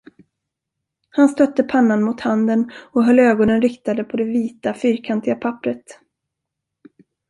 Han stödde pannan mot handen och höll ögonen riktade på det vita, fyrkantiga papperet.